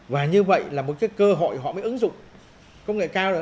và như vậy là một cơ hội họ mới ứng dụng công nghệ cao